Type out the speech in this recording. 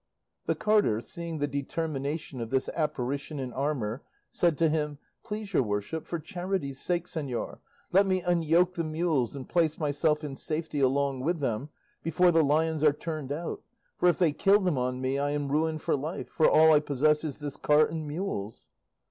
The carter, seeing the determination of this apparition in armour, said to him, "Please your worship, for charity's sake, señor, let me unyoke the mules and place myself in safety along with them before the lions are turned out; for if they kill them on me I am ruined for life, for all I possess is this cart and mules."